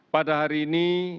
pada hari ini